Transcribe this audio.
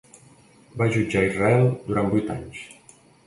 Va jutjar Israel durant vuit anys.